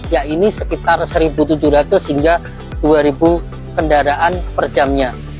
yakni sekitar satu tujuh ratus hingga dua kendaraan per jamnya